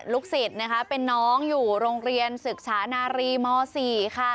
ศิษย์นะคะเป็นน้องอยู่โรงเรียนศึกษานารีม๔ค่ะ